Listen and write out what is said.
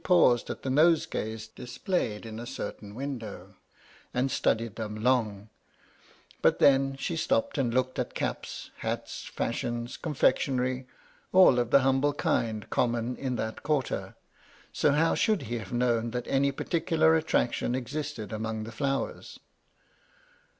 paused at the nosegays displayed in a certain window, and studied them long; but, then, she stopped and looked at caps, hats, fashions, confectionery (all of the humble kind common in that quarter), so how should he have known that any particular attraction existed among the flowers